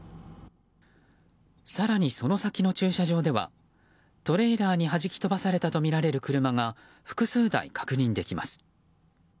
更にその先の駐車場ではトレーラーに弾き飛ばされたとみられる車が複数台確認できます。